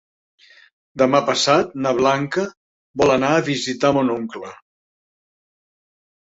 Demà passat na Blanca vol anar a visitar mon oncle.